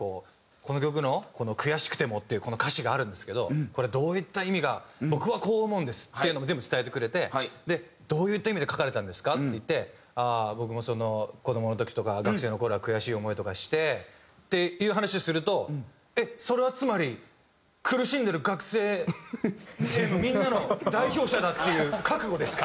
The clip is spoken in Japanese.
「この曲の“悔しくても”っていうこの歌詞があるんですけどこれどういった意味が僕はこう思うんです」っていうのも全部伝えてくれて「どういった意味で書かれたんですか？」って言って「僕も子どもの時とか学生の頃は悔しい思いとかして」っていう話をすると「それはつまり苦しんでる学生みんなの代表者だっていう覚悟ですか？」